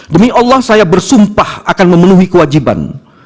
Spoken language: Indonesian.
demi allah saya bersumpah akan memenuhi kewajiban